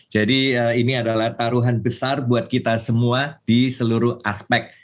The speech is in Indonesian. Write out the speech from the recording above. jadi ini adalah taruhan besar buat kita semua di seluruh aspek